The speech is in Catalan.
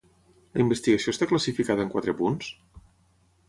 La investigació està classificada en quatre punts?